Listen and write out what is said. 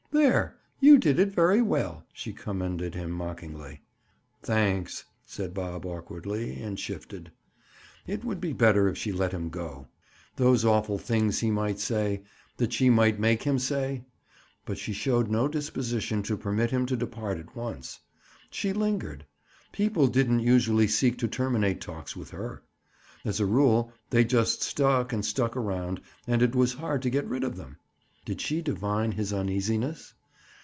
"There! You did it very well," she commended him mockingly. "Thanks," said Bob awkwardly, and shifted. It would be better if she let him go. Those awful things he might say?—that she might make him say? But she showed no disposition to permit him to depart at once. She lingered. People didn't usually seek to terminate talks with her. As a rule they just stuck and stuck around and it was hard to get rid of them. Did she divine his uneasiness?